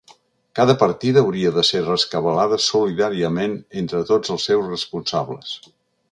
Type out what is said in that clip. Cada partida hauria de ser rescabalada solidàriament entre tots els seus responsables.